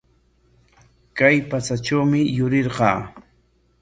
Kay patsatrawmi yurirqaa.